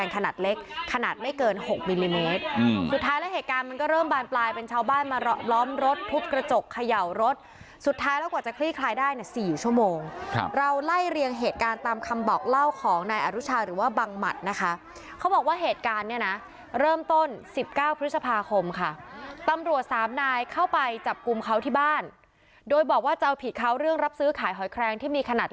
ก็เริ่มบานปลายเป็นชาวบ้านมาล้อมรถทุบกระจกเขย่ารถสุดท้ายแล้วกว่าจะคลี่คลายได้เนี่ย๔ชั่วโมงเราไล่เรียงเหตุการณ์ตามคำบอกเล่าของนายอรุชาหรือว่าบางหมัดนะคะเขาบอกว่าเหตุการณ์เนี่ยนะเริ่มต้น๑๙พฤษภาคมค่ะตำรวจสามนายเข้าไปจับกุมเขาที่บ้านโดยบอกว่าจะเอาผิดเขาเรื่องรับซื้อขายหอยแครงที่ม